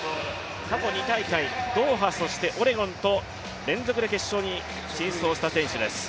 過去２大会、ドーハ、オレゴンと連続で決勝に進出をした選手です。